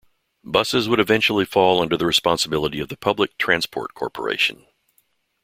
Buses would eventually fall under the responsibility of the Public Transport Corporation.